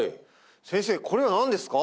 先生これは何ですか？